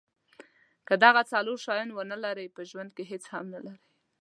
که دغه څلور شیان ونلرئ په ژوند کې هیڅ هم نلرئ.